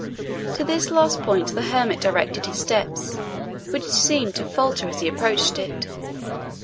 To this last point the hermit directed his steps, which seemed to falter as he approached it.